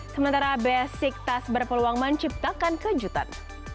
sementara b sigtas berpeluang menciptakan kejutan